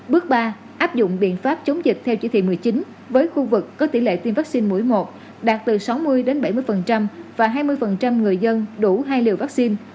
bước ba áp dụng biện pháp chống dịch theo chỉ thị một mươi chín với khu vực có tỷ lệ tiêm vaccine mũi một đạt từ sáu mươi bảy mươi và hai mươi người dân đủ hai liều vaccine